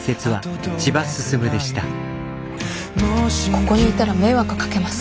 ここにいたら迷惑かけます。